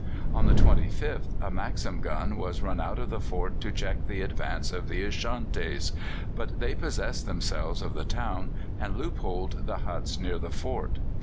On the 25th a Maxim gun was run out of the fort to check the advance of the Ashantis; but they possessed themselves of the town, and loopholed the huts near the fort.